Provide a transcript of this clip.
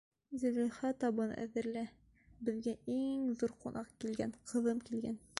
Зөләйха, табын әҙерлә, беҙгә иң ҙур ҡунаҡ килгән, ҡыҙым килгән.